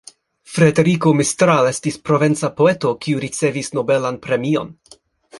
Frederiko Mistral estis provenca poeto, kiu ricevis nobelan premion.